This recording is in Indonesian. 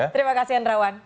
terima kasih endrawan